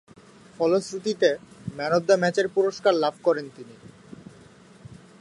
ফলশ্রুতিতে man of the ম্যাচের পুরস্কার লাভ করেন তিনি।